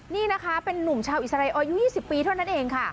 นี่นะคะเป็นนุ่มชาวอิสราอายุ๒๐ปีเท่านั้นเองค่ะ